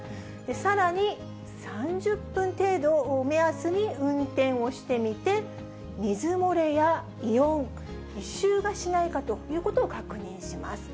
さらに、３０分程度を目安に運転をしてみて、水漏れや異音、異臭がしないかということを確認します。